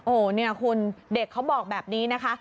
โอ้โหเนี่ยคุณเด็กเขาบอกแบบนี้นะคะ